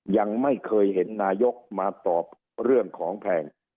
ยังไม่เคยเห็นนายกมาตอบเรื่องของแพง